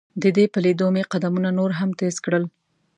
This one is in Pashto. د دې په لیدو مې قدمونه نور هم تیز کړل.